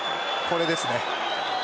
これですね。